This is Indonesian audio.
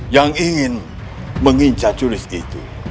yang ingin mengincah jurus itu